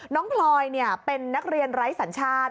พลอยเป็นนักเรียนไร้สัญชาติ